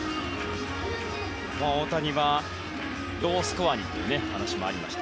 大谷は、ロースコアにという話もありました。